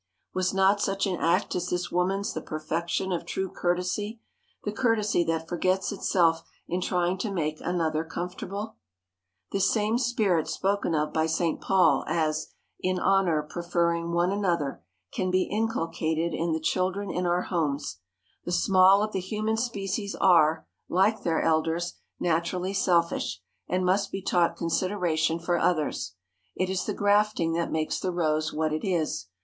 Was not such an act as this woman's the perfection of true courtesy, the courtesy that forgets itself in trying to make another comfortable? [Sidenote: TEACHING GOOD MANNERS] This same spirit spoken of by Saint Paul as "in honor preferring one another" can be inculcated in the children in our homes. The small of the human species are, like their elders, naturally selfish, and must be taught consideration for others. It is the grafting that makes the rose what it is.